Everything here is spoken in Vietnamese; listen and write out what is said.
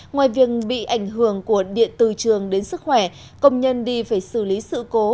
ngoài việc bị ảnh hưởng của điện từ trường đến sức khỏe công nhân đi phải xử lý sự cố